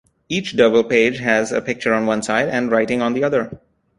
Each double page has a picture on one side, and writing on the other.